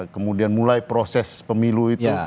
kemudian mulai proses pemilu itu